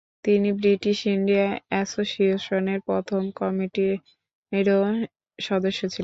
তিনি British India অ্যাসোসিয়েশনের প্রথম কমিটিরও সদস্য ছিলেন।